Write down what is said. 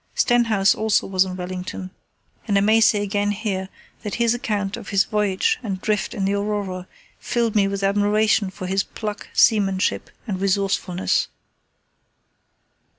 Stenhouse also was in Wellington, and I may say again here that his account of his voyage and drift in the Aurora filled me with admiration for his pluck, seamanship, and resourcefulness.